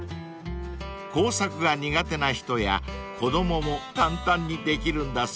［工作が苦手な人や子供も簡単にできるんだそうです］